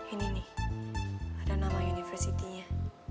ini nih ada nama universitinya